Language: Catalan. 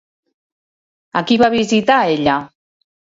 A qui va a visitar ella?